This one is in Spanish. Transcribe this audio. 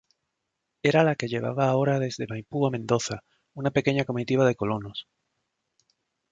Era la que llevaba ahora desde Maipú a Mendoza, una pequeña comitiva de colonos.